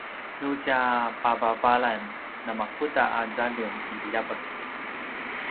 nu tja pavavalan namakuda a zaljum i ljavek?